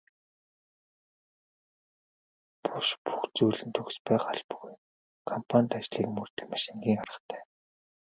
Буш бүх зүйл нь төгс байх албагүй компанит ажлыг мөрдөх маш энгийн аргатай.